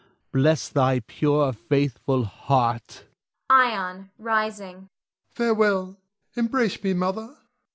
Bless thy pure, faithful heart! Ion [rising]. Farewell! Embrace me, Mother.